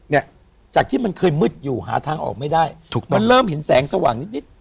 เนี่ยจากที่มันเคยมืดอยู่หาทางออกไม่ได้ถูกต้องมันเริ่มเห็นแสงสว่างนิดนิด